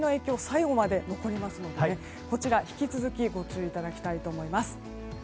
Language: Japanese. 最後まで残りますのでこちら、引き続きご注意いただきたいと思います。